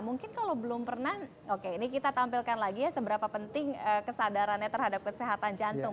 mungkin kalau belum pernah oke ini kita tampilkan lagi ya seberapa penting kesadarannya terhadap kesehatan jantung